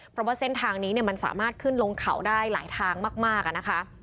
เพราะว่าเส้นทางนี้มันสามารถขึ้นลงเขาได้หลายทางมากนะคะ